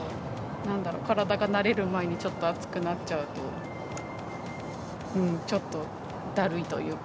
なんだろう、体が慣れる前にちょっと暑くなっちゃうと、ちょっとだるいというか。